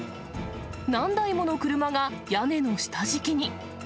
何台もの車が屋根の下敷きに。